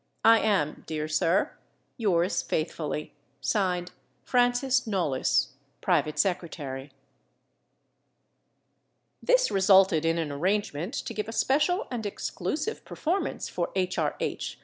I am, dear sir, Yours faithfully, (Signed) FRANCIS KNOLLYS, Private Secretary. This resulted in an arrangement to give a special and exclusive performance for H. R. H.